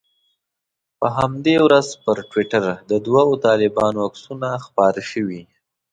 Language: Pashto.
په همدې ورځ پر ټویټر د دوو طالبانو عکسونه خپاره شوي.